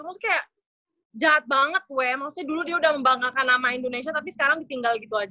terus kayak jahat banget gue maksudnya dulu dia udah membanggakan nama indonesia tapi sekarang ditinggal gitu aja